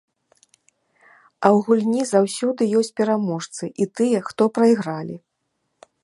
А ў гульні заўсёды ёсць пераможцы і тыя, хто прайгралі.